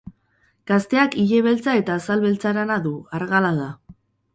Gazteak ile beltza eta azal beltzarana du, argala da.